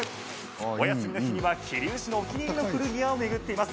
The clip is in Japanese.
お休みの日には桐生市のお気に入りの古着屋を巡っています。